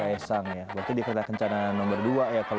dari kaysang ya berarti di kereta kencanaan nomor dua ya kalau begitu